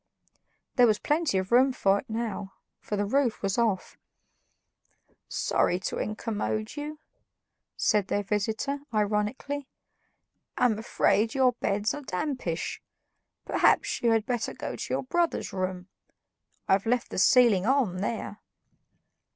There was plenty of room for it now, for the roof was off. "Sorry to incommode you," said their visitor ironically. "I'm afraid your beds are dampish. Perhaps you had better go to your brother's room; I've left the ceiling on there."